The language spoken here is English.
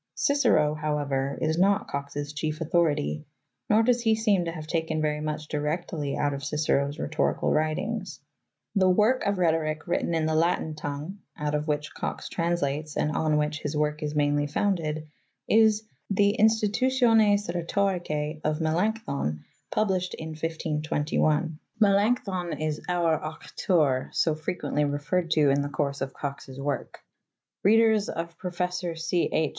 "^ Cicero however is not Cox's chief authority, nor does he seem to have taken very much directly out of Cicero's rhetorical writings.' The "werke of Rhetoryke wryt ten in the lattyn tongue " out of which Cox translates and on which his work is mainly founded is the " Institutiones Rhetoricae " of Melanchthon, published in 1521. Melanchthon is "oure auctour," so frequently referred to in the course of Cox's work. Readers of Professor C. H.